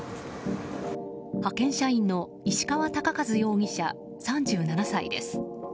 派遣社員の石川貴一容疑者３７歳です。